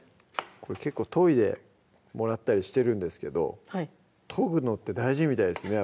これ結構研いでもらったりしてるんですけど研ぐのって大事みたいですね